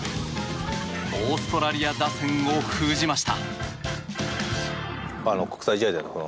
オーストラリア打線を封じました。